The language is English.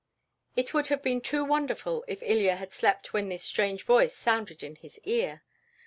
It would have been too wonderful if Ilya had slept when this strange voice sounded in his ear.